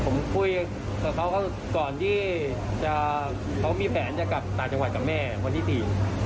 ผมคุยกับเขาก็ก่อนที่เขามีแผนจะกลับต่างจังหวัดกับแม่วันที่สี่